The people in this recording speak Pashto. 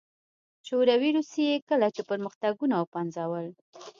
شوروي روسيې کله چې پرمختګونه وپنځول